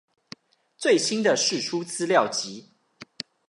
最新的釋出資料集